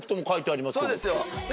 そうですよ。